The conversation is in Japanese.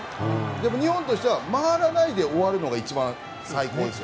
でも、日本としては回らないで終わるのが最高です。